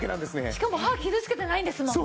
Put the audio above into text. しかも歯傷つけてないんですもんね。